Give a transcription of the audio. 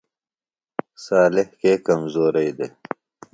صالح کے کمزورئی دےۡ؟